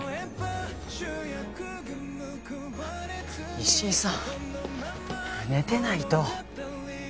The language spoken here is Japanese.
石井さん寝てないと。